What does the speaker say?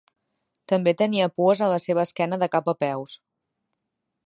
També tenia pues en la seva esquena de cap a cua.